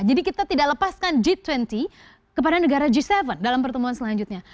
jadi kita tidak lepaskan g dua puluh kepada negara g tujuh dalam pertemuan selanjutnya